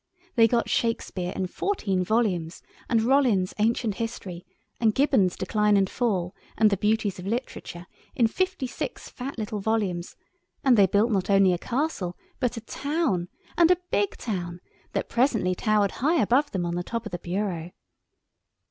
They got Shakespeare in fourteen volumes, and Rollin's "Ancient History," and Gibbon's "Decline and Fall," and "The Beauties of Literature" in fifty six fat little volumes, and they built not only a castle, but a town—and a big town—that presently towered high above them on the top of the bureau.